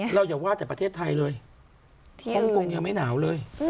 อย่าว่าแต่ประเทศไทยเลยฮ่องกงยังไม่หนาวเลย